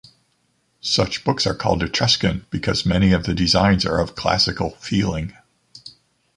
Such books are called Etruscan, because many of the designs are of classical feeling.